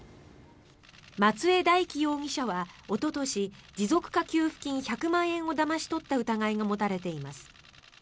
松江大樹容疑者はおととし持続化給付金１００万円をだまし取った疑いが持たれています。